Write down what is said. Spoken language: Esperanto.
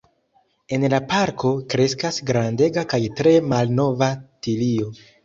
En la parko kreskas grandega kaj tre malnova tilio.